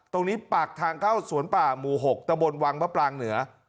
ตรงนี้ปากทางเข้าสวนป่าหมู่๖ตะบนวังมะปรางเหนือ